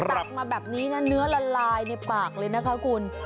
ตักมาแบบนี้นะเนื้อละลายในปากเลยนะคะคุณ